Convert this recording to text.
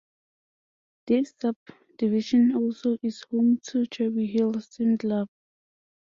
This subdivision also is home to Cherry Hill Swim Club.